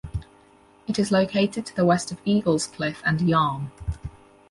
It is located to the west of Eaglescliffe and Yarm.